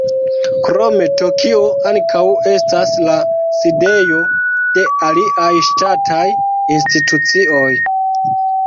Krome Tokio ankaŭ estas la sidejo de aliaj ŝtataj institucioj.